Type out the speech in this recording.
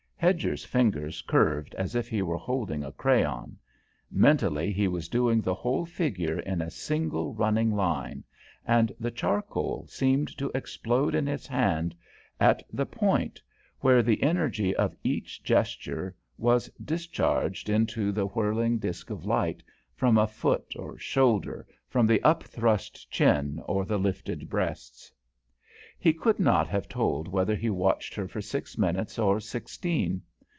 Hedger's fingers curved as if he were holding a crayon; mentally he was doing the whole figure in a single running line, and the charcoal seemed to explode in his hand at the point where the energy of each gesture was discharged into the whirling disc of light, from a foot or shoulder, from the up thrust chin or the lifted breasts. He could not have told whether he watched her for six minutes or sixteen.